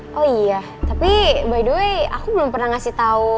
oh iya tapi by the way aku belum pernah ngasih tahu